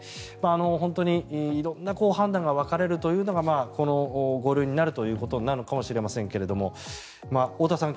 本当に色んな判断が分かれるというのがこの５類になるということなのかもしれませんが太田さん